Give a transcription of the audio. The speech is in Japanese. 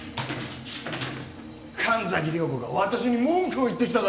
神崎涼子が私に文句を言ってきたからね。